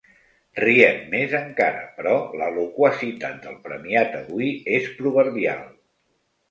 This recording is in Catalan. Riem més encara, però la loquacitat del premiat avui és proverbial.